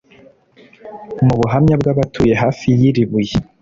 Mu buhamya bw’abatuye hafi y’iri buye